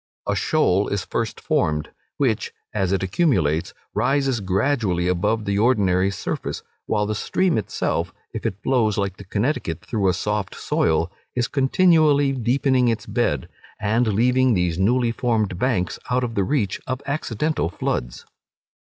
A shoal is first formed, which, as it accumulates, rises gradually above the ordinary surface, while the stream itself, if it flows like the Connecticut through a soft soil, is continually deepening its bed, and leaving these newly formed banks out of the reach of accidental floods.